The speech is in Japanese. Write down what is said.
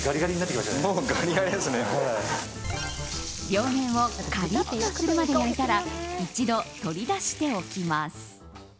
両面をカリッとするまで焼いたら一度取り出しておきます。